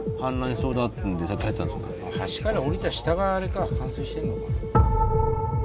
橋から降りた下があれか冠水してんのか。